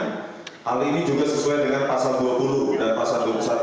hal ini juga sesuai dengan pasal dua puluh dan pasal dua puluh satu